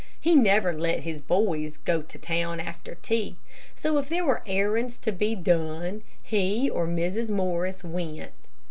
He never let his boys go to town after tea, so if there were errands to be done, he or Mrs. Morris went.